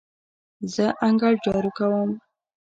زه انګړ جارو کوم.